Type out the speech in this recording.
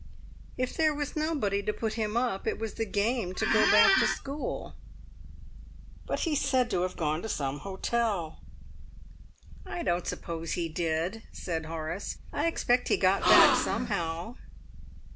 "If there was nobody to put him up it was the game to go back to school." "But he's said to have gone to some hotel." "I don't suppose he did," said Horace. "I expect he got back somehow."